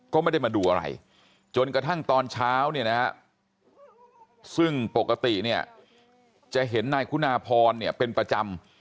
ก็ไม่ได้มาดูอะไรจนกระทั่งตอนเช้าเนี่ยนะฮะซึ่งปกติเนี่ยจะเห็นนายคุณาพรเนี่ยเป็นประจำ